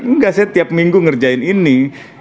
enggak saya tiap minggu ngerjain ini